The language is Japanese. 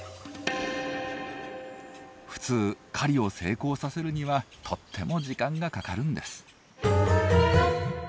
普通狩りを成功させるにはとっても時間がかかるんです。